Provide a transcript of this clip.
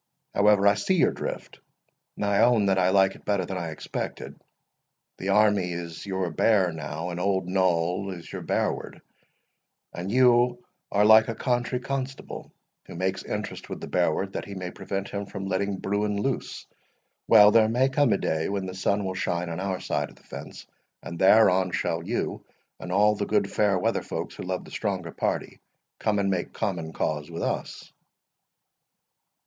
However, I see your drift, and I own that I like it better than I expected. The army is your bear now, and old Noll is your bearward; and you are like a country constable, who makes interest with the bearward that he may prevent him from letting bruin loose. Well, there may come a day when the sun will shine on our side of the fence, and thereon shall you, and all the good fair weather folks who love the stronger party, come and make common cause with us."